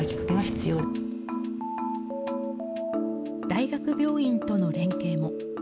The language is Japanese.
大学病院との連携も。